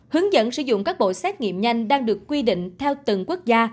hướng dẫn sử dụng các bộ xét nghiệm nhanh đang được quy định theo từng quốc gia